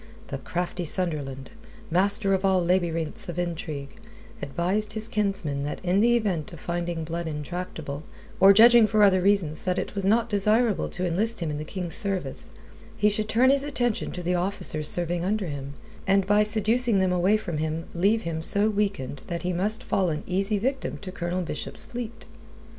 The crafty Sunderland, master of all labyrinths of intrigue, advised his kinsman that in the event of his finding Blood intractable, or judging for other reasons that it was not desirable to enlist him in the King's service, he should turn his attention to the officers serving under him, and by seducing them away from him leave him so weakened that he must fall an easy victim to Colonel Bishop's fleet.